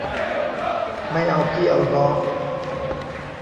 ไม่เอาพี่เอาน้อง